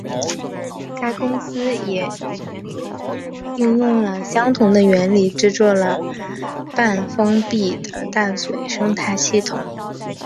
该公司也应用相同的原理制作了半封闭的淡水生态系统。